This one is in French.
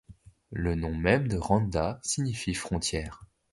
Le nom même de Randa signifie frontière.